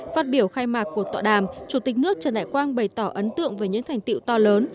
phát biểu khai mạc cuộc tọa đàm chủ tịch nước trần đại quang bày tỏ ấn tượng về những thành tiệu to lớn